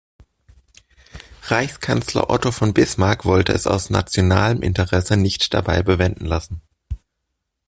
Reichskanzler Otto von Bismarck wollte es aus nationalem Interesse nicht dabei bewenden lassen.